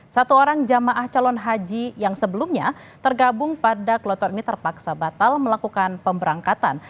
satu orang jamaah calon haji yang sebelumnya tergabung pada kloter ini terpaksa batal melakukan pemberangkatan